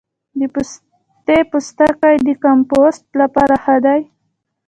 د پستې پوستکی د کمپوسټ لپاره ښه دی؟